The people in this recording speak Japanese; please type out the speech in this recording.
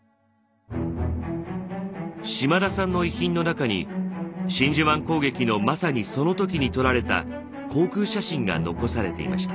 島田さんの遺品の中に真珠湾攻撃のまさにその時に撮られた航空写真が残されていました。